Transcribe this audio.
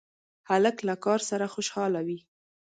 هلک له کار سره خوشحاله وي.